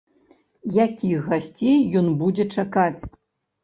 Якіх гасцей ён будзе чакаць?